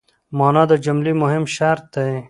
مانا د جملې مهم شرط دئ.